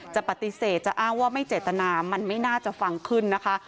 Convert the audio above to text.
จะปฏิเสธจะอ้างว่าไม่เจตนามันไม่น่าจะฟังขึ้นนะคะ